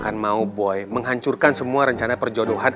saya gak akan mau boy menghancurkan semua rencana perjodohan